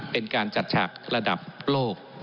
เป็นการจัดฉากระดับโลก